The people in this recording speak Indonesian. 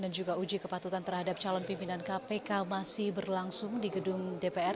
dan juga uji kepatutan terhadap calon pimpinan kpk masih berlangsung di gedung dpr